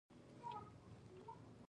د کلیو سرکونه هم همدومره عرض لري